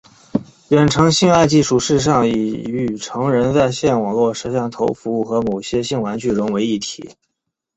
远程性爱技术事实上已与成人在线网络摄像头服务和某些性玩具融为一体。